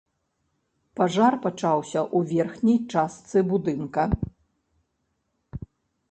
Пажар пачаўся ў верхняй частцы будынка.